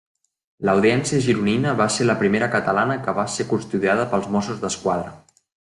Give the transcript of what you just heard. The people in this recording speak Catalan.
L'Audiència gironina va ser la primera catalana que va ser custodiada pels Mossos d'Esquadra.